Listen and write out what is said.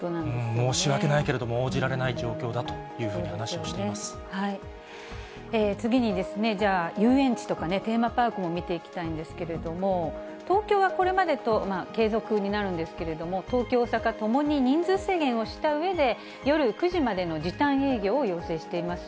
申し訳ないけれども、応じられない状況だというふうに話をし次にじゃあ、遊園地とかね、テーマパークを見ていきたいんですけれども、東京はこれまでと、継続になるんですけれども、東京、大阪ともに人数制限をしたうえで、夜９時までの時短営業を要請しています。